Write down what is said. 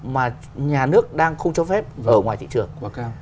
mà nhà nước đang không cho phép ở ngoài thị trường